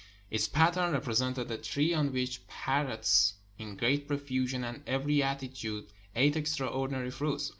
Its pattern repre sented a tree on which parrots in great profusion and every attitude ate extraordinary fruits.